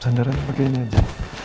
sandaran pake ini aja